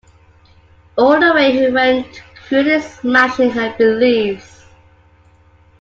All the way he went cruelly smashing her beliefs.